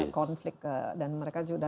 konflik dan mereka juga